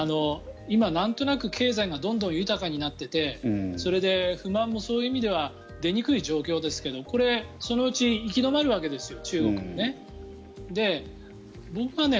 今、なんとなく経済がどんどん豊かになっててそれで、不満もそういう意味では出にくい状況ですがこれ、そのうち行き止まるわけですよ、中国は。